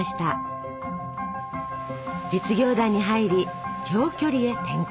実業団に入り長距離へ転向。